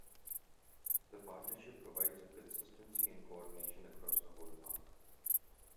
The partnership provides a consistency and coordination across the whole park.